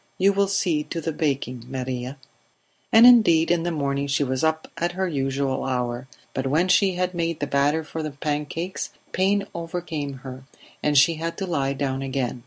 You will see to the baking, Maria." And indeed in the morning she was up at her usual hour, but when she had made the batter for the pancakes pain overcame her, and she had to lie down again.